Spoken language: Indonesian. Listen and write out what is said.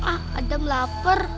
ah adam lapar